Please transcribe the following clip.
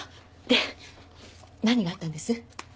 で何があったんです？